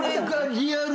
リアル。